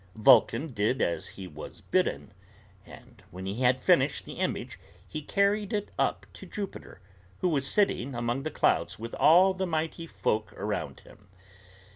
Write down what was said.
Vulcan did as he was bidden; and when he had finished the image, he carried it up to Jupiter, who was sitting among the clouds with all the Mighty Folk around him.